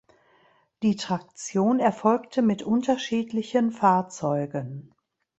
Die Traktion erfolgte mit unterschiedlichen Fahrzeugen.